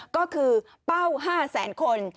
ก็คือเป้า๕๐๐๐๐๐คน